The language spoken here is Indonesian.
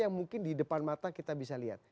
yang mungkin di depan mata kita bisa lihat